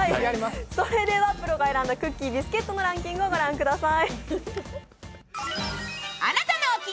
それでは、プロが選んだクッキー・ビスケットのランキングを御覧ください。